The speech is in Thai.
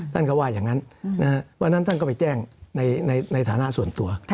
ท่านก็ว่าอย่างนั้นวันนั้นท่านก็ไปแจ้งในฐานะส่วนตัว